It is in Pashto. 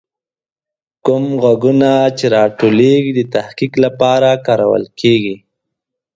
کوم غږونه چې راټولیږي، د تحقیق لپاره کارول کیږي.